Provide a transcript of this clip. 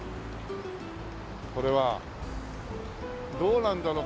これは。どうなんだろう？